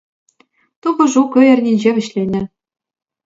Тупӑшу ку эрнинче вӗҫленнӗ.